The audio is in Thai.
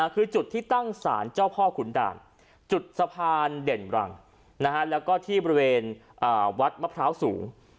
คือจุดที่ตั้งศาลเจ้าพ่อขุนด่านจุดสะพานเด่นรังแล้วก็ที่บริเวณวัดมะพร้าวสูง